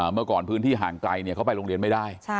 เมื่อก่อนพื้นที่ห่างไกลเขาไปโรงเรียนไม่ได้